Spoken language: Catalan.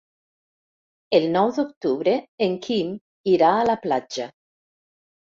El nou d'octubre en Quim irà a la platja.